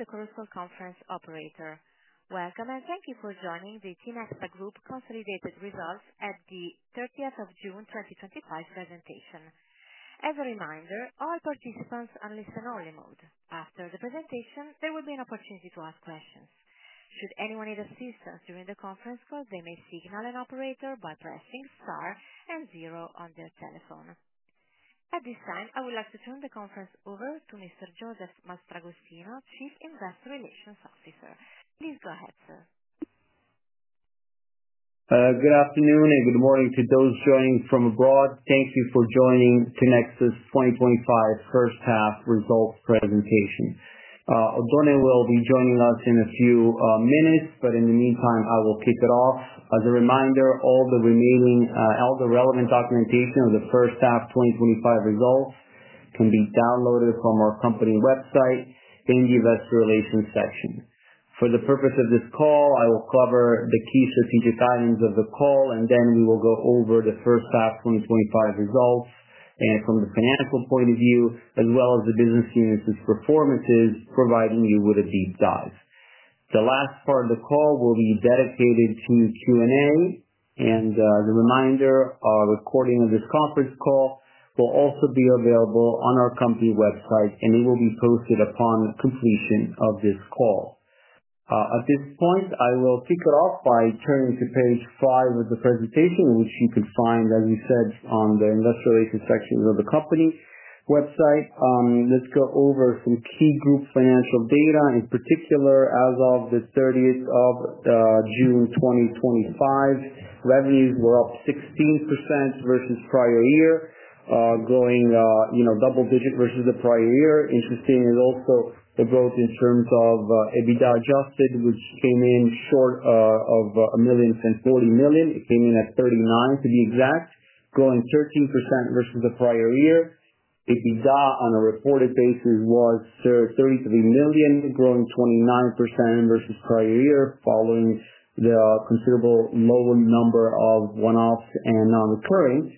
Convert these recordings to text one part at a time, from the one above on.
The Courseco conference operator. Welcome and thank you for joining the Tinexta Group consolidated results at the 30th of June 2025 presentation. As a reminder, all participants are in listen-only mode. After the presentation, there will be an opportunity to ask questions. Should anyone need assistance during the conference call, they may signal an operator by pressing star and zero on their telephone. At this time, I would like to turn the conference over to Mr. Joseph Mastragostino, Chief Investor Relations Officer. Please go ahead, sir. Good afternoon and good morning to those joining from abroad. Thank you for joining Tinexta's 2025 first half results presentation. Antonio O’Donnell will be joining us in a few minutes, but in the meantime, I will kick it off. As a reminder, all the remaining and all the relevant documentation of the first half 2025 results can be downloaded from our company website in the Investor Relations section. For the purpose of this call, I will cover the key strategic items of the call, and then we will go over the first half 2025 results from the financial point of view, as well as the business unit's performances, providing you with a deep dive. The last part of the call will be dedicated to Q&A, and as a reminder, a recording of this conference call will also be available on our company website, and it will be posted upon completion of this call. At this point, I will kick it off by turning to page five of the presentation, which you can find, as we said, on the Investor Relations section of the company website. Let's go over some key group plans of data. In particular, as of the 30th of June 2025, revenues were up 16% versus prior year, growing double digits versus the prior year. Interesting is also the growth in terms of adjusted EBITDA, which came in short of a million from 40 million. It came in at 39 million, to be exact, growing 13% versus the prior year. EBITDA on a reported basis was 33 million, growing 29% versus prior year, following the considerable low number of one-offs and non-occurring.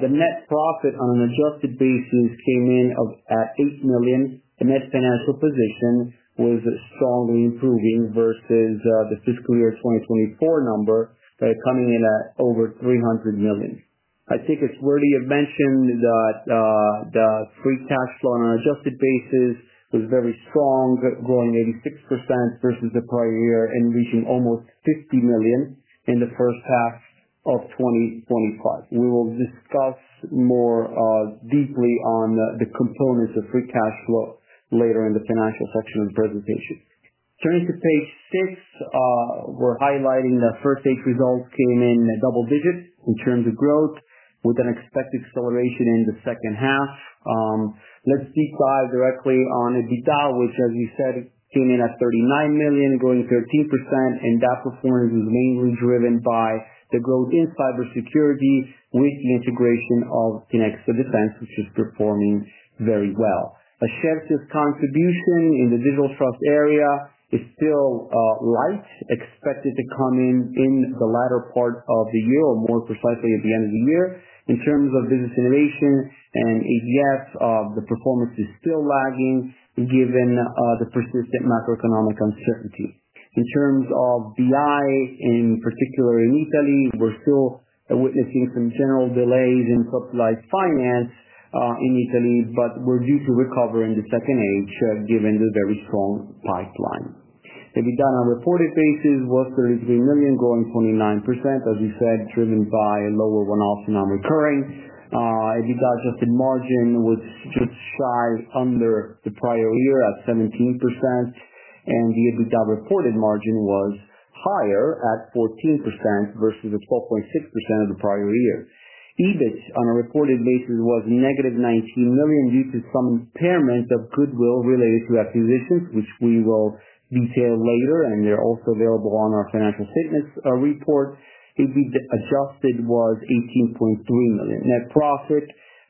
The net profit on an adjusted basis came in at 8 million. The net financial position was strongly improving versus the fiscal year 2024 number by coming in at over 300 million. I think it's worthy of mentioning that the free cash flow on an adjusted basis was very strong, growing 86% versus the prior year and reaching almost 50 million in the first half of 2025. We will discuss more deeply on the components of free cash flow later in the financial supplement presentation. Turning to page six, we're highlighting that first-week results came in double digits in terms of growth, with an expected acceleration in the second half. Let's deep dive directly on adjusted EBITDA, which, as you said, came in at 39 million, growing 13%, and that performance was mainly driven by the growth in cybersecurity with the integration of Tinexta Defense, which is performing very well. Axios's contribution in the digital trust area is still light, expected to come in in the latter part of the year, or more precisely at the end of the year. In terms of business innovation and ETFs, the performance is still lagging given the persistent macroeconomic uncertainty. In terms of BI, in particular in Italy, we're still witnessing some general delays in corporate finance in Italy, but we're due to recover in the second age, given the very strong pipeline. EBITDA on a reported basis was $33 million, growing 29%. As we said, driven by lower one-offs and non-occurring. Adjusted EBITDA margin was just shy under the prior year at 17%, and the EBITDA reported margin was higher at 14% versus the 12.6% of the prior year. EBIT on a reported basis was -$19 million due to some impairment of goodwill related to acquisitions, which we will detail later, and they're also available on our financial statements report. Adjusted EBITDA was $18.3 million. Net profit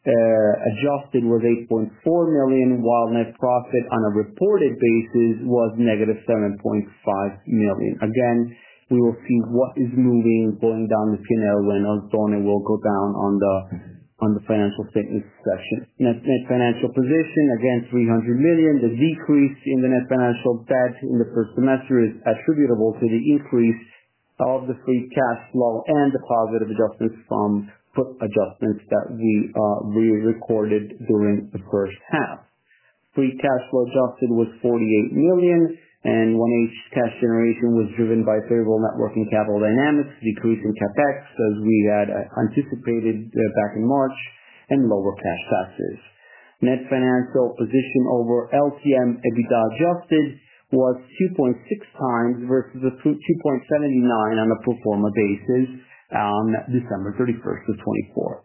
adjusted was $8.4 million, while net profit on a reported basis was -$7.5 million. Again, we will see what is moving, going down the channel, and Antonio will go down on the financial statements section. Net financial position, again, $300 million. The decrease in the net financial position in the first semester is attributable to the increase of the free cash flow and the positive adjustments from put adjustments that we recorded during the first half. Adjusted free cash flow was $48 million, and one-week cash generation was driven by payable networking capital dynamics, decreased in CapEx as we had anticipated back in March, and lower cash taxes. Net financial position over LCM adjusted EBITDA was 2.6 x versus the 2.79 on the pro forma basis on December 31st, 2024. A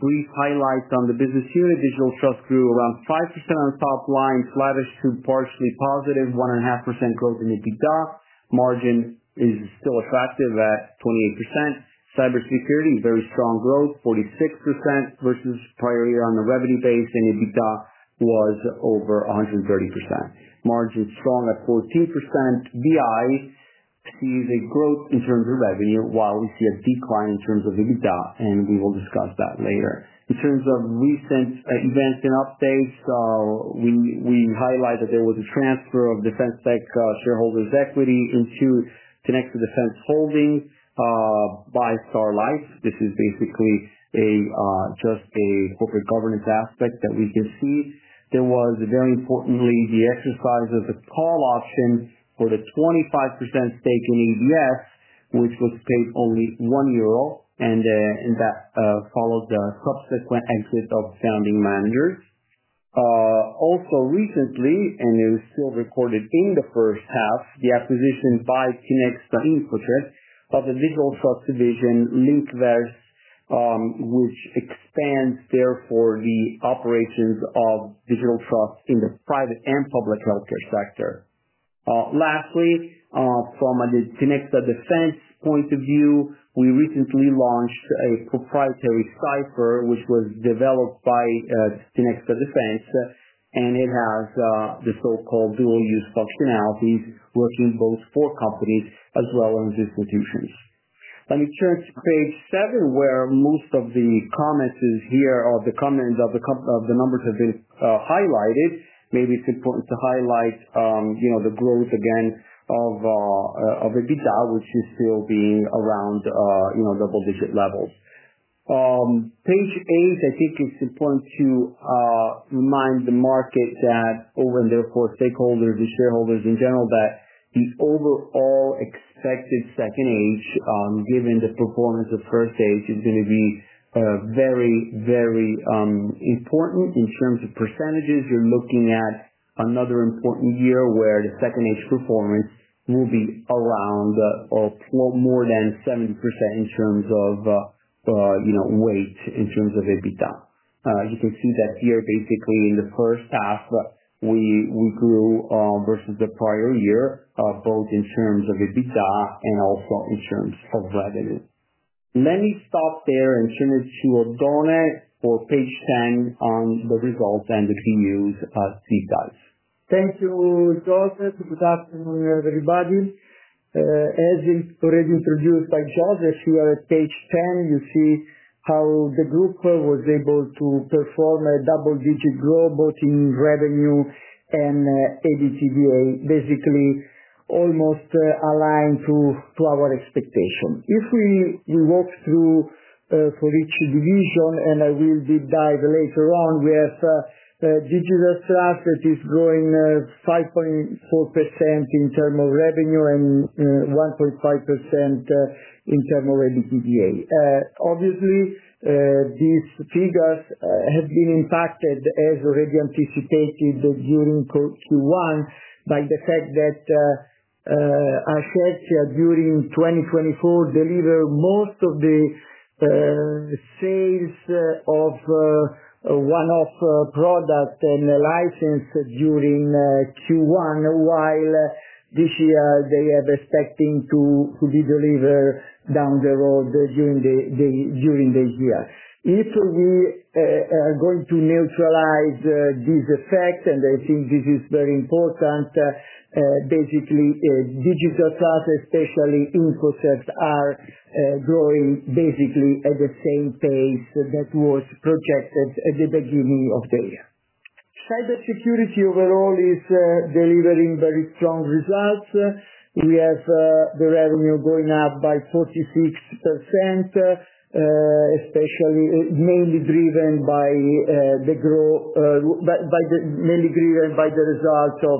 brief highlight on the business here. Digital trust grew around 5% on the top line. Cloud is still partially positive, 1.5% growth in EBITDA. Margin is still attractive at 28%. Cybersecurity, very strong growth, 46% versus prior year on the revenue base, and EBITDA was over 130%. Margin is strong at 14%. BI sees a growth in terms of revenue, while we see a decline in terms of EBITDA, and we will discuss that later. In terms of recent events and updates, we highlight that there was a transfer of DefenseTech shareholders' equity into Tinexta Defense Holdings by StarLife. This is basically just a corporate governance aspect that we can see. There was, very importantly, the exercise of the call option for the 25% stake in ADS, which was staked only one euro, and that followed the subsequent exit of the founding managers. Also, recently, and it was still recorded in the first half, the acquisition by Tinexta Infocert of the digital trust division, LinkVerse, which expands, therefore, the operations of digital trust in the private and public healthcare sector. Lastly, from the Tinexta Defense point of view, we recently launched a proprietary cipher, which was developed by Tinexta Defense, and it has the so-called dual-use functionality, working both for companies as well as institutions. Let me turn to page seven, where most of the comments here or the comments of the numbers have been highlighted. Maybe it's important to highlight, you know, the growth, again, of EBITDA, which is still being around, you know, double-digit levels. Page eight, I think it's important to remind the market that, over and therefore stakeholders and shareholders in general, that the overall expected second half, given the performance of first half, is going to be very, very important in terms of percentages. You're looking at another important year where the second half performance will be around or more than 70% in terms of, you know, weight in terms of EBITDA. You can see that here, basically, in the first half, we grew versus the prior year, both in terms of EBITDA and also in terms of revenue. Let me stop there and turn it to Antonio for page 10 on the results and the key news as he does. Thank you, Joseph. Good afternoon, everybody. As is already introduced by Joseph, we are at page 10. You see how the group was able to perform a double-digit growth both in revenue and EBITDA, basically almost aligned to our expectation. If we walk through for this division, and I will deep dive later on, we have digital trust that is growing 5.4% in terms of revenue and 1.5% in terms of EBITDA. Obviously, these figures have been impacted, as already anticipated during Q1, by the fact that Acertia during 2024 delivered most of the sales of one-off products and licenses during Q1, while this year they are expecting to deliver down the road during the year. If we are going to neutralize these effects, and I think this is very important, basically, digital trust, especially InfoSecs, are growing basically at the same pace that was projected at the beginning of the year. Cybersecurity overall is delivering very strong results. We have the revenue going up by 46%, especially mainly driven by the growth, but mainly driven by the results of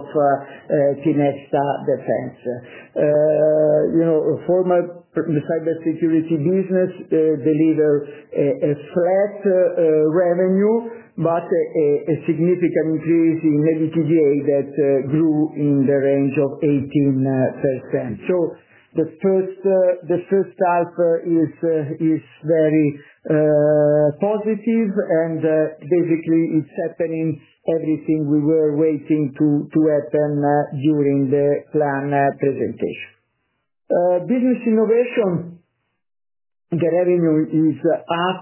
Tinexta Defense. You know, the former cybersecurity business delivered a flat revenue, but a significant increase in EBITDA that grew in the range of 18%. The first half is very positive, and basically, it's happening everything we were waiting to happen during the plan presentation. Business innovation. The revenue is up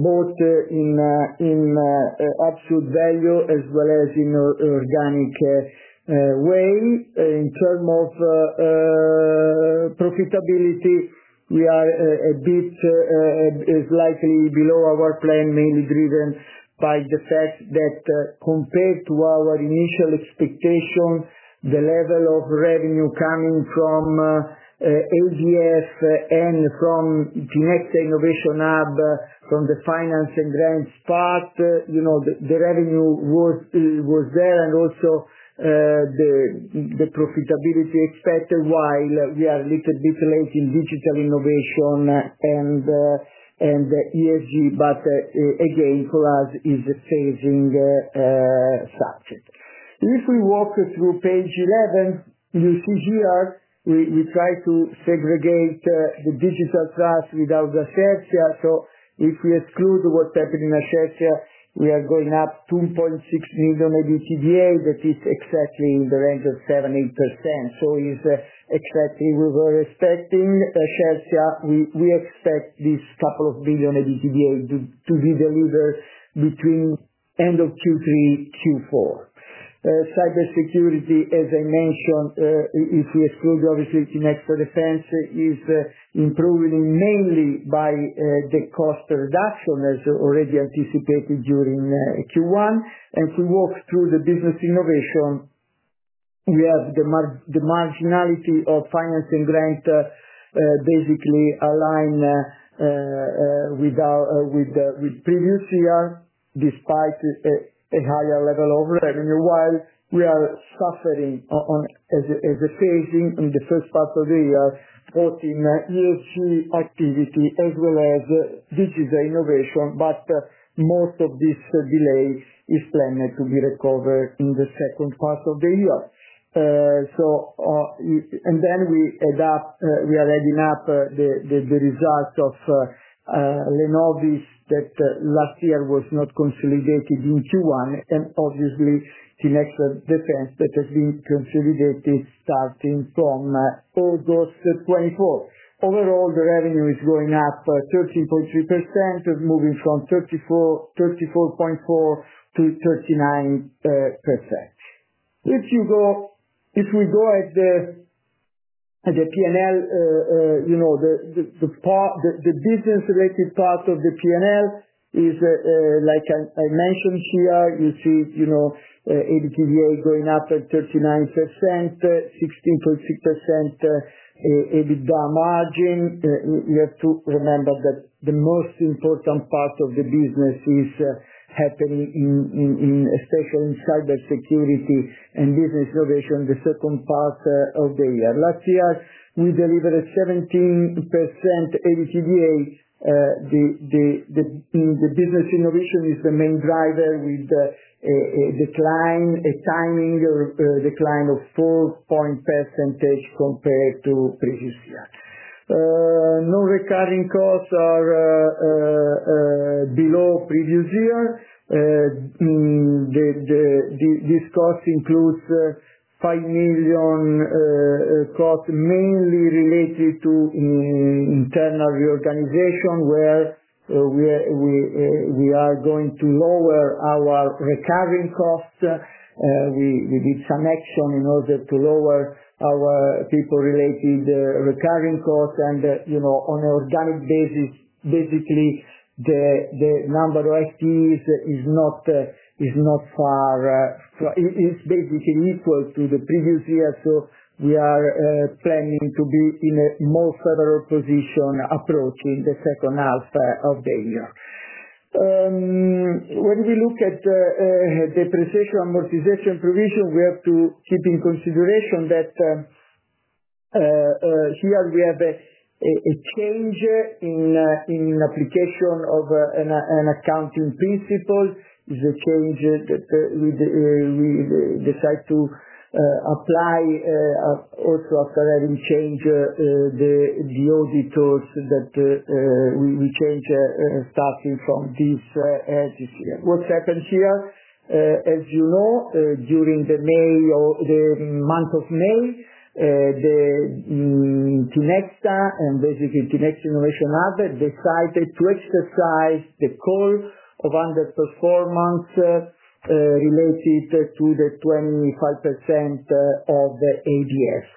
both in absolute value as well as in an organic way. In terms of profitability, we are a bit slightly below our plan, mainly driven by the fact that compared to our initial expectation, the level of revenue coming from AGS and from Tinexta Innovation Hub, from the finance and grants part, the revenue was there, and also the profitability expected, while we are a little bit late in digital innovation and ESG. For us, it's a phasing subject. If we walk through page 11, you see here, we try to segregate the digital trust without Acertia. If we exclude what's happening in Acertia, we are going up $2.6 million of EBITDA, but it's exactly in the range of 7%, 8%. It's exactly what we were expecting. Acertia, we expect this couple of million EBITDA to be delivered between end of Q3 and Q4. Cybersecurity, as I mentioned, if we exclude, obviously, Tinexta Defense is improving mainly by the cost reduction, as already anticipated during Q1. If we walk through the business innovation, we have the marginality of finance and grants basically aligned with previous year despite a higher level of revenue, while we are suffering as a phasing in the first part of the year, both in ESG activity as well as digital innovation. Most of this delay is planned to be recovered in the second part of the year. We are adding up the results of Lenovis, that last year was not consolidated in Q1, and obviously, Tinexta Defense that has been consolidated starting from August 2024. Overall, the revenue is going up 13.3%, moving from 34.4%-39%. If you go, if we go at the P&L, you know the business-related part of the P&L is, like I mentioned here, you see EBITDA going up at 39%, 16.6% EBITDA margin. You have to remember that the most important part of the business is happening in, especially in cybersecurity and business innovation, the second part of the year. Last year, we delivered a 17% EBITDA. The business innovation is the main driver with a decline, a timing or a decline of 4.5% compared to previous year. No recurring costs are below previous year. This cost includes $5 million costs mainly related to internal reorganization, where we are going to lower our recurring costs. We did some action in order to lower our people-related recurring costs. On an organic basis, basically, the number of activities is not far, it's basically equal to the previous year. We are planning to be in a more federal position approaching the second half of the year. When we look at the pre-taker amortization provision, we have to keep in consideration that here we have a change in the application of an accounting principle. It's a change that we decide to apply also after having changed the auditors that we change staffing from this year. What happens here, as you know, during the month of May, Tinexta and basically Tinexta Innovation Hub decided to exercise the call of underperformance related to the 25% of ADS.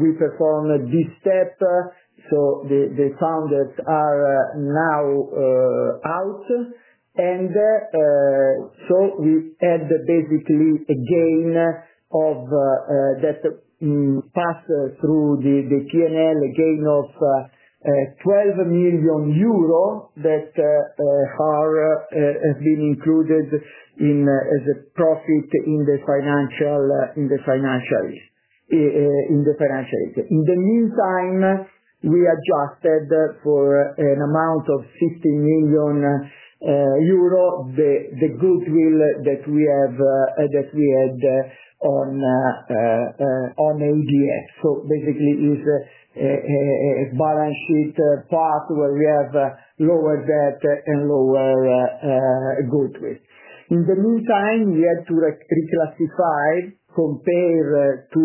We performed this step. The founders are now out. We had basically a gain of that passed through the P&L gain of $12 million that have been included as a profit in the financials. In the meantime, we adjusted for an amount of $60 million the goodwill that we had on ADS. Basically, it's a balanced part where we have lower debt and lower goodwill. In the meantime, we had to reclassify, compared to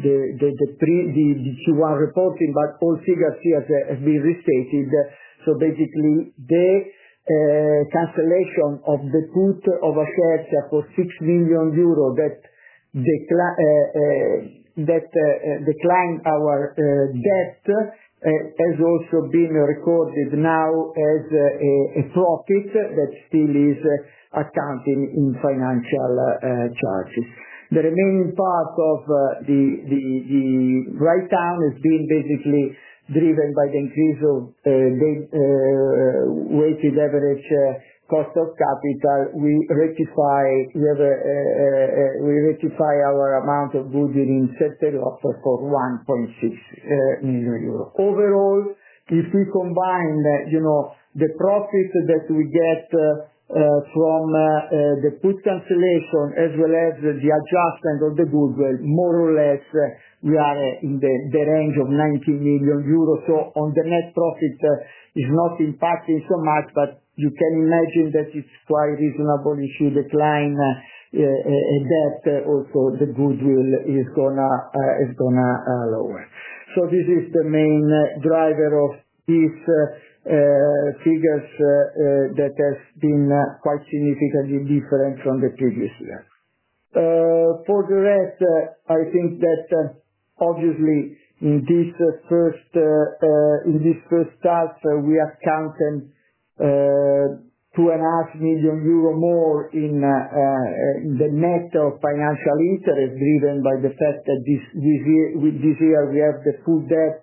the Q1 reporting, but all figures here have been restated. So basically, the cancellation of the put of Acertia for 6 million euro that declined our debt has also been recorded now as a profit that still is accounting in financial charges. The remaining part of the write-down has been basically driven by the increase of weighted average cost of capital. We rectify our amount of budget in September for 1.6 million euro. Overall, if we combine the profits that we get from the put cancellation as well as the adjustment of the goodwill, more or less, we are in the range of 90 million euros. On the net profit, it's not impacting so much, but you can imagine that it's quite reasonable if you decline debt. Also, the goodwill is going to lower. This is the main driver of these figures that have been quite significantly different from the previous year. For the rest, I think that obviously in this first half, we accounted 2.5 million euros more in the net of financial interest driven by the fact that this year we have the full debt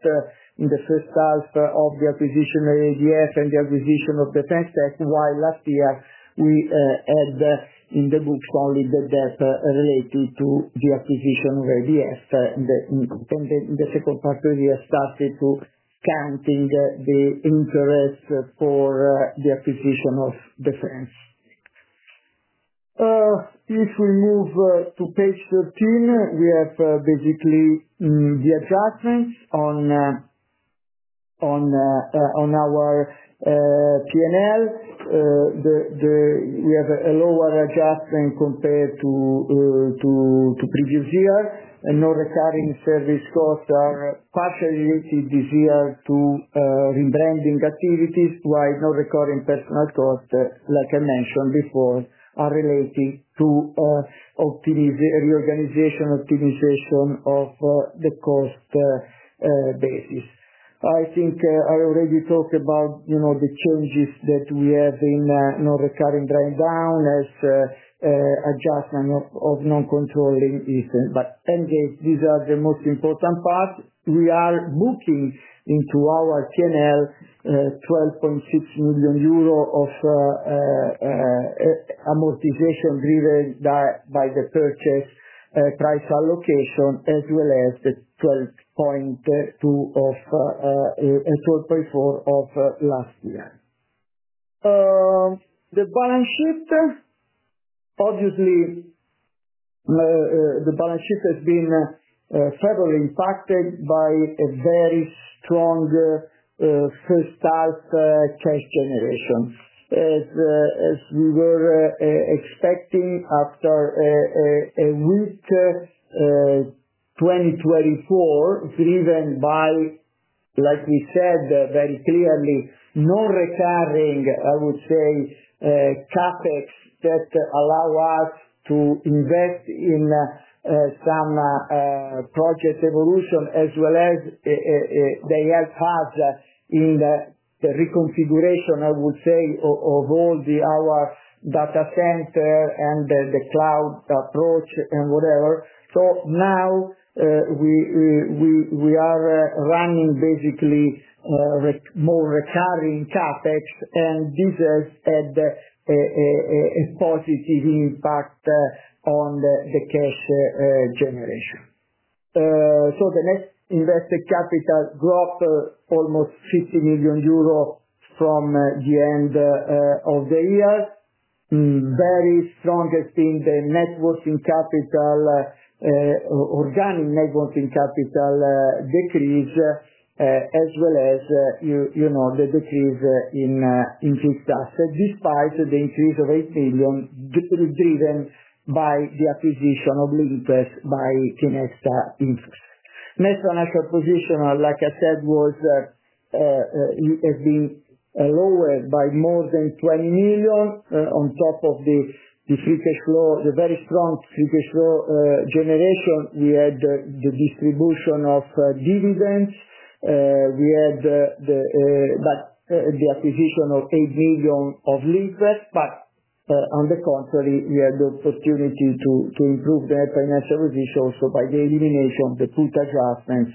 in the first half of the acquisition of ADS and the acquisition of Tinexta Defense. While last year, we had in the books only the debt related to the acquisition of ADS in the second part of the year started to counting the interest for the acquisition of Tinexta Defense. If we move to page 13, we have basically the adjustments on our P&L. We have a lower adjustment compared to previous year. Non-recurring service costs are partially related this year to rebranding activities, while non-recurring personal costs, like I mentioned before, are related to reorganization optimization of the cost basis. I think I already talked about the changes that we have in non-recurring drawing down as adjustment of non-controlling issues. Anyways, these are the most important parts. We are booking into our P&L 12.6 million euro of amortization driven by the purchase price allocation, as well as the 12.2 or 12.4 of last year. The balance sheet, obviously, the balance sheet has been heavily impacted by a very strong first half cash generation. As we were expecting after a weak 2024, driven by, like we said, very clearly, non-recurring, I would say, CapEx that allow us to invest in some project evolution, as well as they help us in the reconfiguration, I would say, of all our data center and the cloud approach and whatever. Now we are running basically more recurring CapEx, and this has had a positive impact on the cash generation. The net invested capital dropped almost 50 million euro from the end of the year. Very strong has been the net working capital, organic net working capital decrease, as well as the decrease in good cash, despite the increase of 8 million driven by the acquisition of LinkVerse by Tinexta Infocert. Net financial position, like I said, has been lowered by more than 20 million. On top of the free cash flow, the very strong free cash flow generation, we had the distribution of dividends. The acquisition of 8 million of LinkVerse. On the contrary, we had the opportunity to improve the net financial position also by the elimination of the put adjustments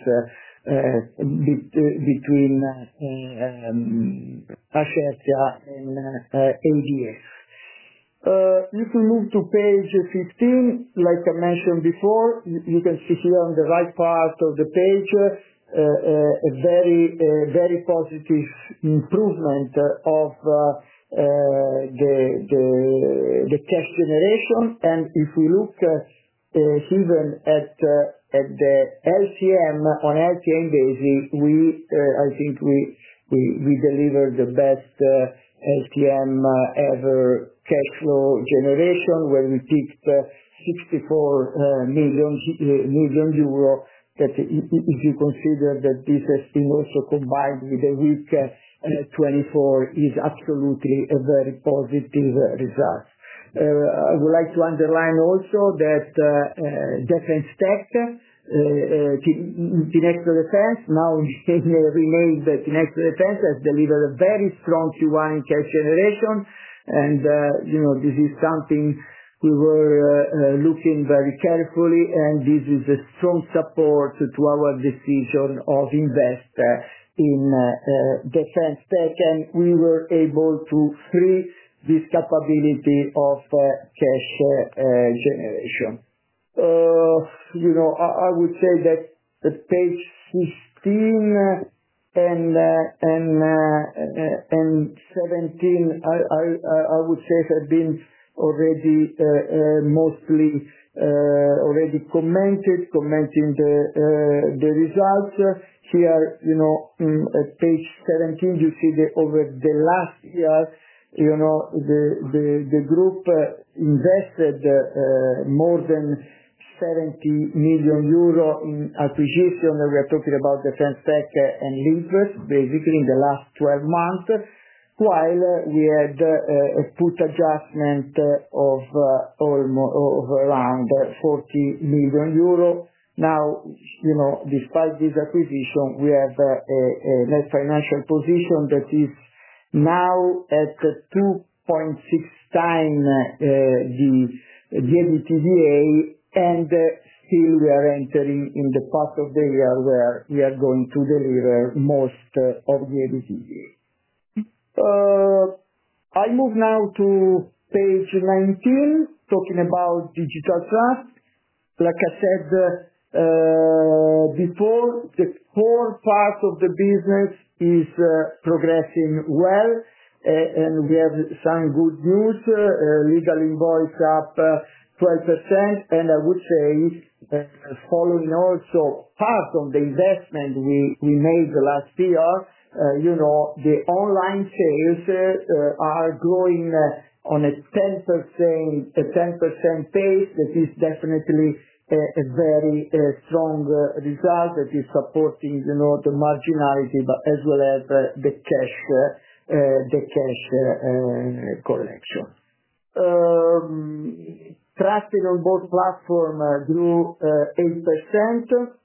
between Acertia and ADS. If we move to page 15, like I mentioned before, you can see here on the right part of the page a very, very positive improvement of the cash generation. If we look even at the LCM, on LCM basis, I think we delivered the best LCM ever cash flow generation, where we tipped 64 million euro. If you consider that this has been also combined with a weak 2024, it is absolutely a very positive result. I would like to underline also that DefenseTech, Tinexta Defense, now in the statement, it remains that Tinexta Defense has delivered a very strong Q1 cash generation. This is something we were looking very carefully, and this is a strong support to our decision to invest in DefenseTech. We were able to free this capability of cash generation. I would say that page 16 and 17 have been already mostly already commented, commenting the results. Here, page 17, you see that over the last year, the group invested more than 70 million euro in acquisition. We are talking about DefenseTech and LinkVerse basically in the last 12 months, while we had a put adjustment of around 40 million euro. Now, despite this acquisition, we have a net financial position that is now at 2.6x the EBITDA, and still we are entering in the part of the year where we are going to deliver most of the EBITDA. I move now to page 19, talking about digital trust. Like I said before, the core part of the business is progressing well, and we have some good news. Legal invoice up 12%. Following also part of the investment we made last year, the online sales are growing on a 10% pace. That is definitely a very strong result that is supporting the marginality, as well as the cash collection. Trusted on both platforms grew 8%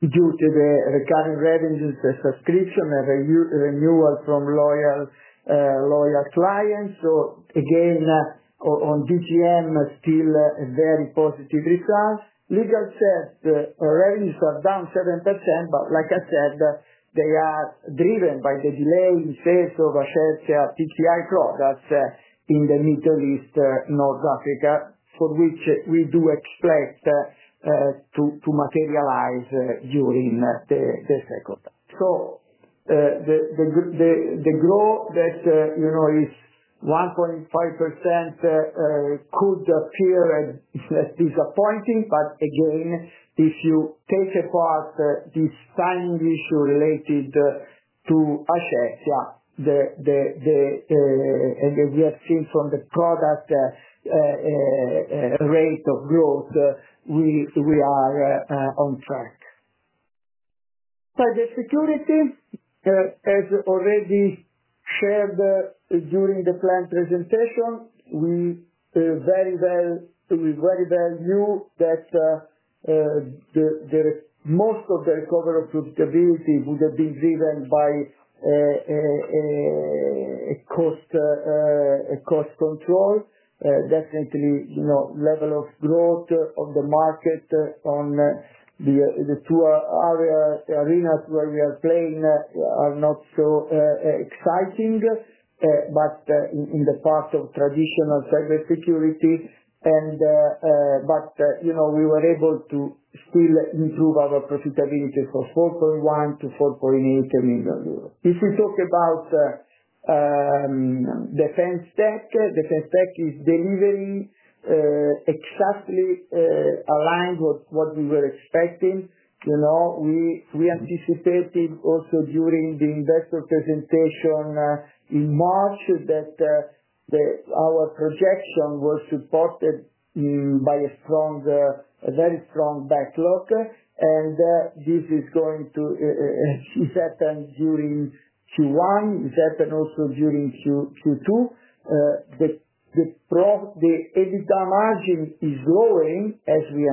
due to the recurring subscription models and renewal from loyal clients. Again, on DCM, still a very positive result. Legal sales revenues are down 7%, but like I said, they are driven by the delay in sales of Acertia PCI products in the Middle East, North Africa, for which we do expect to materialize during the second half. The growth that you know is 1.5% could appear as disappointing, but again, if you take apart this time issue related to Acertia, and we have seen from the product rate of growth, we are on track. Cybersecurity, as already said during the plan presentation, we very well knew that most of the recovery of profitability would have been driven by cost control. Definitely, you know level of growth of the market on the two arenas where we are playing are not so exciting, but in the part of traditional cybersecurity. We were able to still improve our profitability from 4.1 million to 4.8 million euros. If we talk about DefenseTech, DefenseTech is delivering exactly aligned with what we were expecting. We anticipated also during the investor presentation in March that our projection was supported by a very strong backlog. This is going to happen during Q1. This happened also during Q2. The EBITDA margin is lowering as we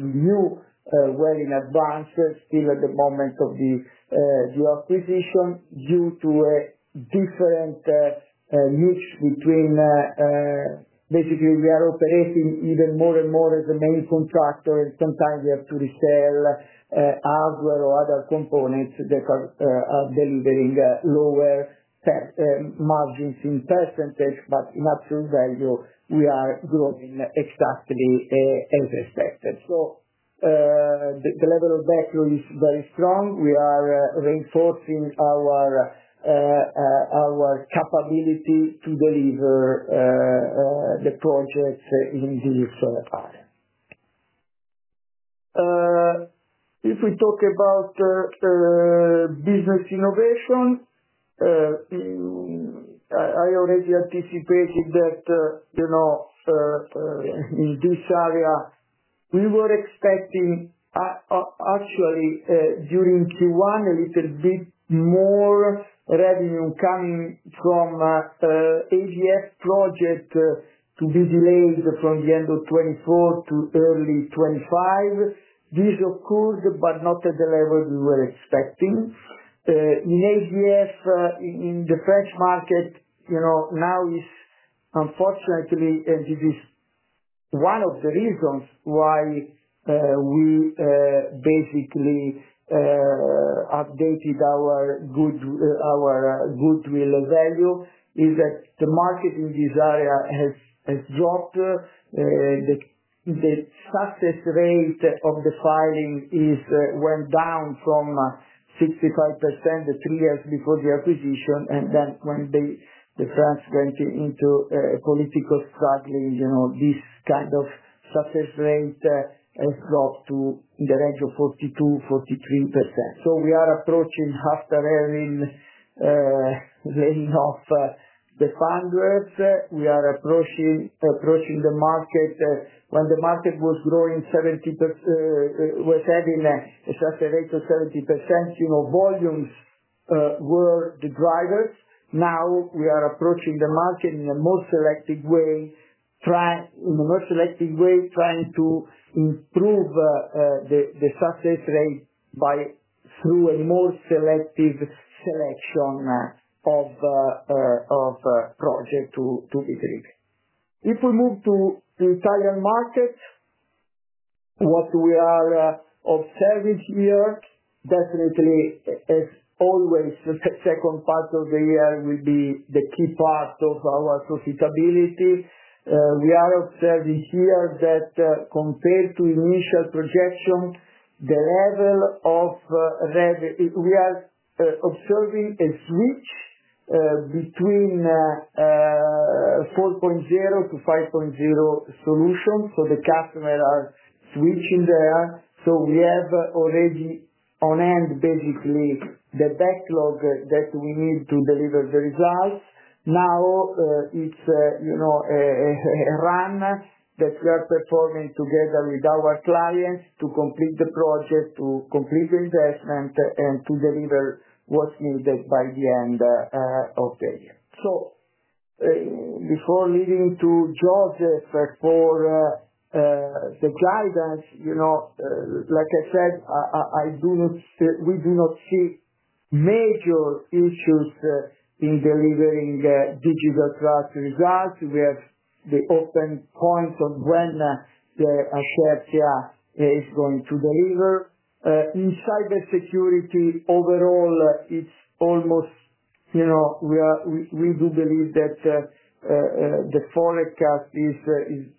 knew well in advance, still at the moment of the acquisition due to a different use between. Basically, we are operating even more and more as a main contractor. Sometimes we have to resell hardware or other components that are delivering lower margins in percentage, but in absolute value, we are growing exactly as expected. The level of backlog is very strong. We are reinforcing our capability to deliver the projects in this area. If we talk about business innovation, I already anticipated that in this area, we were expecting actually during Q1 a little bit more revenue coming from ADS projects to be delayed from the end of 2024 to early 2025. This occurred, but not at the level we were expecting. In ADS in the French market, now it's unfortunately, and it is one of the reasons why we basically updated our goodwill value, is that the market in this area has dropped. The success rate of the filing went down from 65% the three years before the acquisition. When the French went into a political struggle, this kind of success rate has dropped to in the range of 42%, 43%. We are approaching half the revenue of the founders. We are approaching the market. When the market was growing 70%, was having a cut rate of 70%, you know volumes were the drivers. Now we are approaching the market in a more selective way, trying in a more selective way, trying to improve the success rate by a more selective selection of projects to be delivered. If we move to the Italian markets, what we are observing here, definitely, as always, the second part of the year will be the key part of our profitability. We are observing here that compared to initial projection, we are observing a shift between 4.0-5.0 solutions. The customers are switching there. We have already on hand, basically, the backlog that we need to deliver the results. Now it's a run that we are performing together with our clients to complete the project, to complete the investment, and to deliver what's needed by the end of the year. Before leading to Joseph for the guidance, like I said, we do not see major issues in delivering digital trust results. We have the open point on when Acertia is going to deliver. In cybersecurity, overall, it's almost, we do believe that the forecast is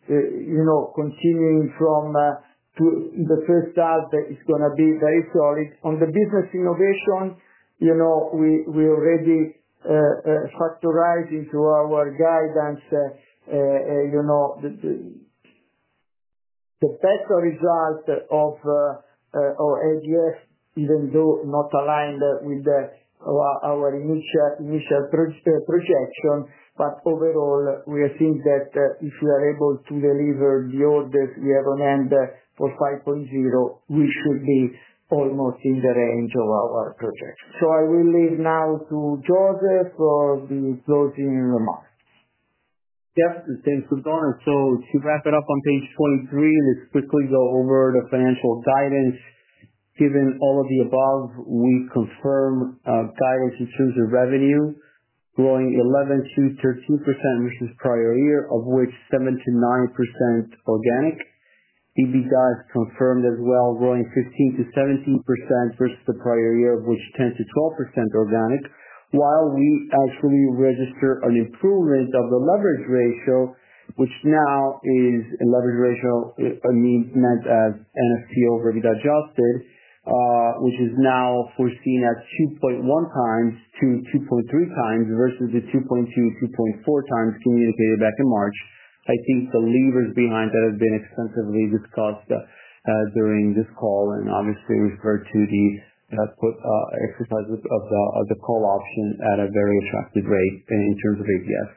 continuing from the first half that it's going to be very solid. On the business innovation, we already factorized into our guidance the better results of ADS, even though not aligned with our initial projection. Overall, we are seeing that if we are able to deliver the orders we have on hand for 5.0, which would be almost in the range of our projects. I will leave now to Joseph for his closing remarks. Yeah. Thanks, Antonio. To wrap it up on page 23, let's quickly go over the financial guidance. Given all of the above, we confirm guidance issued in revenue growing 11%-13% versus prior year, of which 7%-9% organic. EBITDA is confirmed as well, growing 15%-17% versus the prior year, of which 10%-12% organic, while we actually register an improvement of the leverage ratio, which now is a leverage ratio, I mean, meant as net financial position over adjusted EBITDA, which is now foreseen at 2.1x- 2.3x versus the 2.2, 2.4 times communicated back in March. I think the levers behind that have been extensively discussed during this call, and obviously, with virtuity exercises of the call option at a very attractive rate in terms of ADS.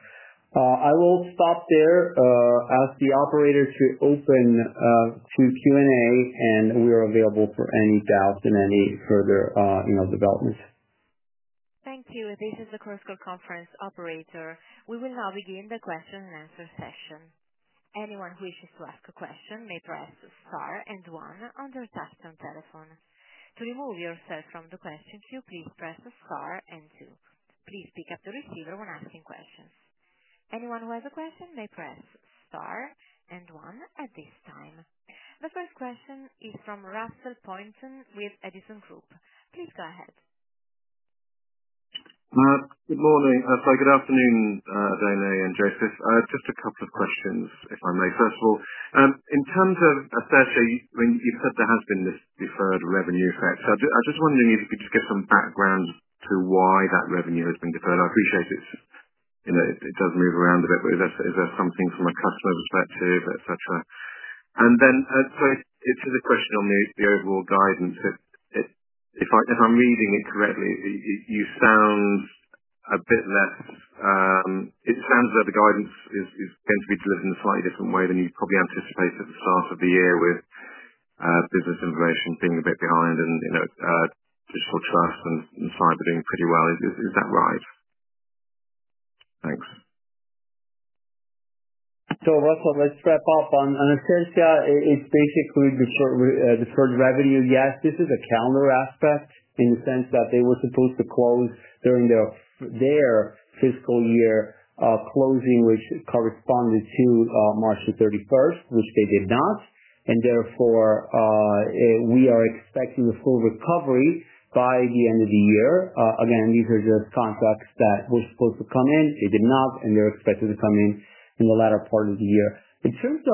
I will stop there. Ask the operator to open to Q&A, and we are available for any doubts and any further developments. Thank you. This is the Courseco conference operator. We will now begin the question and answer session. Anyone who wishes to ask a question may press the star and one on their touch-tone telephone. To remove yourself from the questions, please press the star and two. Please pick up the receiver when asking questions. Anyone who has a question may press star and one at this time. The first question is from Russell Pointon with Edison Group. Please go ahead. Good afternoon, Dana and Joseph. Just a couple of questions, if I may. First of all, in terms of Acertia, you've said there has been this deferred revenue effect. I just wonder if you could give some background to why that revenue has been deferred. I appreciate it. It does move around a bit, but is there something from a customer perspective, etc.? I suppose it is a question on the overall guidance. If I'm reading it correctly, you sound a bit less, it sounds as though the guidance is going to be delivered in a slightly different way than you probably anticipated at the start of the year with business information being a bit behind and digital trust and cyber doing pretty well. Is that right? Thanks. Welcome. Let's wrap up on Acertia. It's basically deferred revenue. Yes, this is a calendar aspect in the sense that they were supposed to close during their fiscal year closing, which corresponded to March 31, which they did not. Therefore, we are expecting the full recovery by the end of the year. These are the timeclocks that were supposed to come in. They did not, and they're expected to come in in the latter part of the year. We said this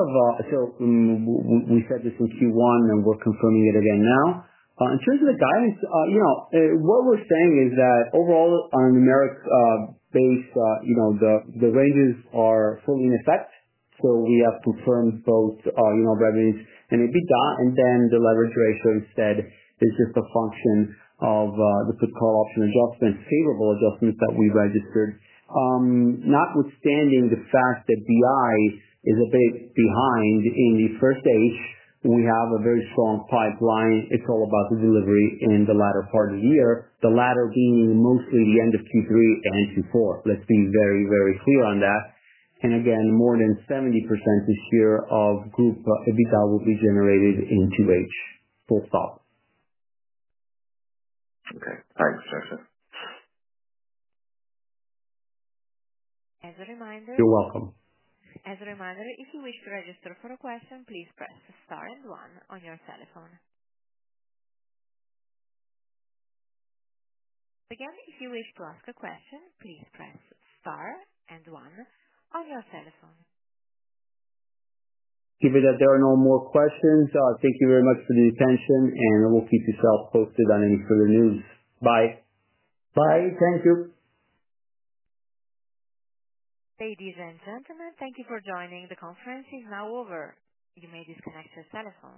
in Q1, and we're confirming it again now. In terms of the guidance, what we're saying is that overall on a numerics base, the ranges are fully in effect. We have confirmed both revenues and EBITDA, and then the leverage ratio instead is just a function of the put call option adjustments, favorable adjustments that we registered. Notwithstanding the fact that BI is a bit behind in the first day, we have a very strong pipeline. It's all about the delivery in the latter part of the year, the latter being mostly the end of Q3 and Q4. Let's be very, very clear on that. More than 70% this year of group EBITDA will be generated in two ways, full stop. Okay. Thanks, Joseph. As a reminder. You're welcome. As a reminder, if you wish to register for a question, please press the star and one on your telephone. Again, if you wish to ask a question, please press star and one on your telephone. Given that there are no more questions, thank you very much for the attention, and I will keep you posted on any further news. Bye. Bye. Thank you. Ladies and gentlemen, thank you for joining. The conference is now over. You may disconnect your telephone.